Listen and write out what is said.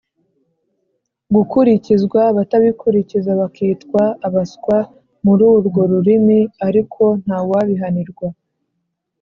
gukurikizwa abatabikurikiza bakitwa abaswa muri urwo rurimi ariko ntawabihanirwa.”